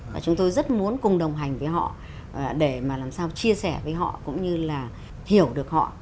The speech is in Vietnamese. và chúng tôi rất muốn cùng đồng hành với họ để mà làm sao chia sẻ với họ cũng như là hiểu được họ